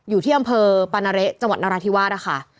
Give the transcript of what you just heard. อยู่ที่อำเภอปานาเละจังหวัดนราธิวาสนะคะ